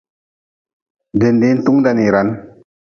Dindiin tung da niran.